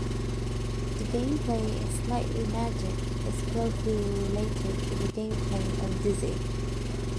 The gameplay in "Slightly Magic" is closely related to the gameplay of "Dizzy".